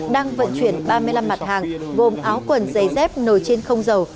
đang vận chuyển ba mươi năm mặt hàng gồm áo quần giày dép nồi trên không dầu